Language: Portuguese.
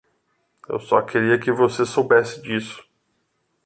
Eu só queria que você soubesse disso.